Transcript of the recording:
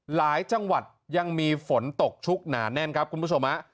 หลายจังหวัดยังมีฝนตกชุกหนาแน่นครับคุณผู้ชมฮะ